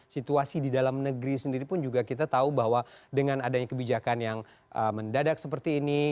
situasi di dalam negeri sendiri pun juga kita tahu bahwa dengan adanya kebijakan yang mendadak seperti ini